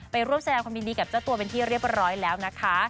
ร่วมแสดงความยินดีกับเจ้าตัวเป็นที่เรียบร้อยแล้วนะคะ